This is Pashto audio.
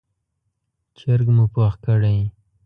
چرګ مو پوخ کړی،